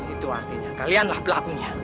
itu artinya kalianlah pelakunya